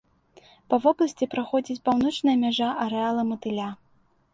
Па вобласці праходзіць паўночная мяжа арэала матыля.